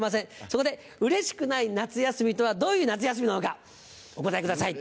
そこでうれしくない夏休みとはどういう夏休みなのかお答えください。